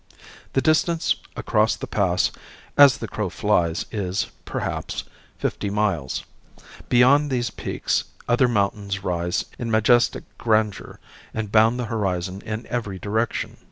The distance across the Pass as the crow flies is, perhaps, fifty miles. Beyond these peaks other mountains rise in majestic grandeur and bound the horizon in every direction.